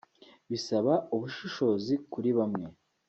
Bisaba ubushishozi kuri bamwe